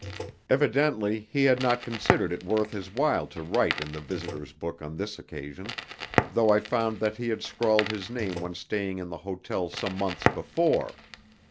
Evidently he had not considered it worth his while to write in the visitors' book on this occasion, though I found that he had scrawled his name when staying in the hotel some months before.